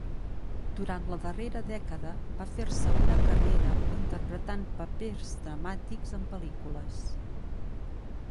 Durant la darrera dècada va fer-se una carrera interpretant papers dramàtics en pel·lícules.